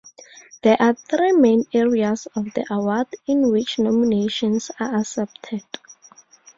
There are three main areas of the award in which nominations are accepted.